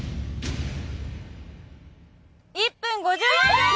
１分５４秒です。